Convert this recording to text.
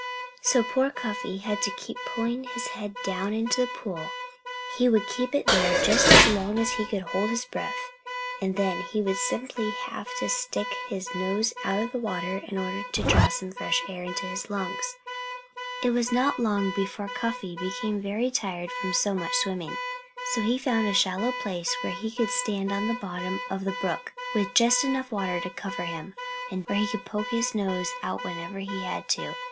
So poor Cuffy had to keep pulling his head down into the pool. He would keep it there just as long as he could hold his breath; and then he would simply have to stick his nose out of the water in order to draw some fresh air into his lungs. It was not long before Cuffy became very tired from so much swimming. So he found a shallow place where he could stand on the bottom of the brook, with just enough water to cover him, and where he could poke his nose out whenever he had to.